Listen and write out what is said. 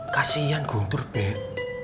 kasian guntur beb